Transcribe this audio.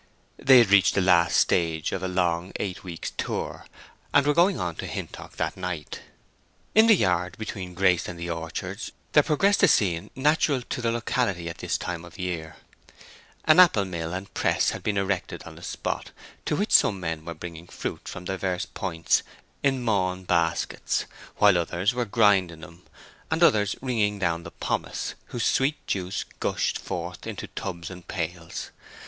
They had reached the last stage of a long eight weeks' tour, and were going on to Hintock that night. In the yard, between Grace and the orchards, there progressed a scene natural to the locality at this time of the year. An apple mill and press had been erected on the spot, to which some men were bringing fruit from divers points in mawn baskets, while others were grinding them, and others wringing down the pomace, whose sweet juice gushed forth into tubs and pails.